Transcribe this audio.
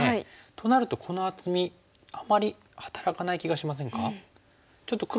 となるとこの厚みあまり働かない気がしませんか？